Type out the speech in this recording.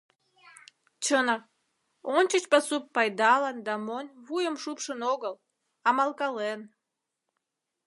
Чынак, ончыч пасу пайдалан да монь вуйым шупшын огыл, амалкален.